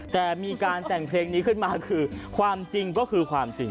แต่มีการแต่งเพลงนี้ขึ้นมาคือความจริงก็คือความจริง